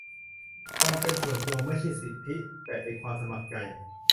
ความเป็นส่วนตัว ไม่ใช่สิทธิ แต่เป็นความสมัครใจ ?